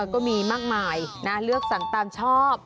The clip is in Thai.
ก็มีมากมายนะเลือกสั่งตามชอบ